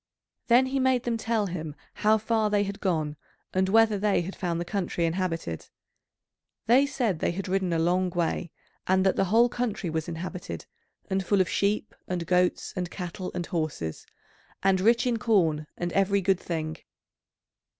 Then he made them tell him how far they had gone, and whether they had found the country inhabited. They said they had ridden a long way, and that the whole country was inhabited, and full of sheep and goats and cattle and horses, and rich in corn and every good thing.